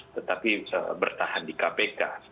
tetapi bertahan di kpk